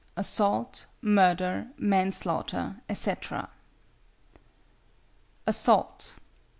ASSAULT, MURDER, MANSLAUGHTER, ETC. =Assault.